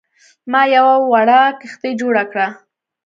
ما یوه وړه کښتۍ جوړه کړه.